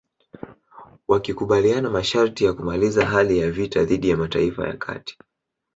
Wakikubaliana masharti ya kumaliza hali ya vita dhidi ya Mataifa ya Kati